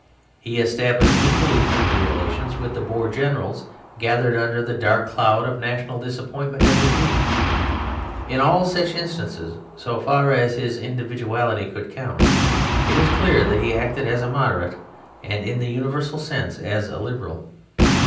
He established equally friendly relations with the Boer generals, gathered under the dark cloud of national disappointment and defeat. In all such instances, so far as his individuality could count, it is clear that he acted as a moderate and, in the universal sense, as a liberal.